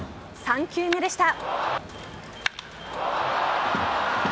３球目でした。